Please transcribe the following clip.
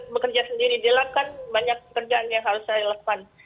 bekerja sendiri di lab kan banyak pekerjaan yang harus relevan